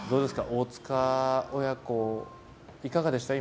大塚親子いかがでしたか？